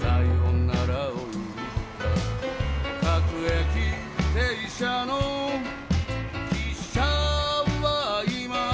「各駅停車の汽車は今」